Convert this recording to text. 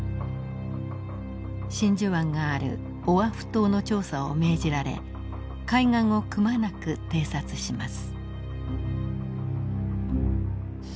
真珠湾があるオアフ島の調査を命じられ海岸をくまなく偵察します。